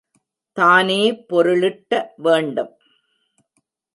தானே பொருளிட்ட வேண்டும்.